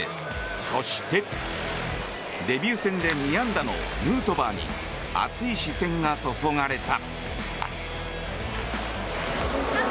そしてデビュー戦で２安打のヌートバーに熱い視線が注がれた。